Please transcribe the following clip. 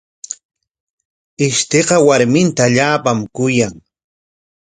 Ishtiqa warminta allaapam kuyan.